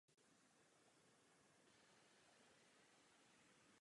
Přivydělával si i jako hudebník.